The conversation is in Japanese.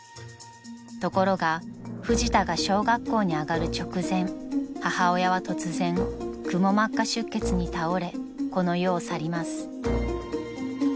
［ところがフジタが小学校に上がる直前母親は突然くも膜下出血に倒れこの世を去ります］